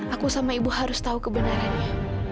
aku sama ibu harus tahu kebenarannya